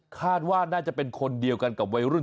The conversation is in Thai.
คาดว่าน่าจะเป็นคนเดียวกันกับวัยรุ่น